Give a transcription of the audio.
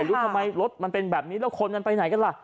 รู้ทำไมรถมันเป็นแบบนี้แล้วคนมันไปไหนกันล่ะ